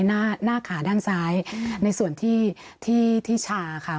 หน้าขาด้านซ้ายในส่วนที่ที่ชาค่ะ